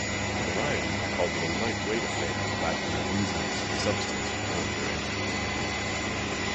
"Variety" called it a "lightweight affair lacking the breeziness and substance of earlier entries.